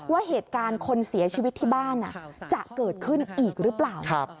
ว่าเหตุการณ์คนเสียชีวิตที่บ้านจะเกิดขึ้นอีกหรือเปล่า